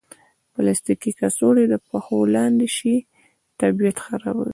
پلاستيکي کڅوړې د پښو لاندې شي، طبیعت خرابوي.